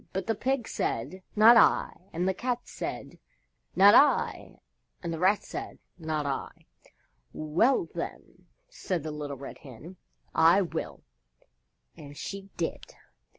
But the Pig said, "Not I," and the Cat said, "Not I," and the Rat said, "Not I." "Well, then," said the Little Red Hen, "I will." And she did.